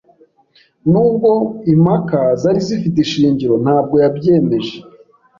Nubwo impaka zari zifite ishingiro, ntabwo yabyemeje.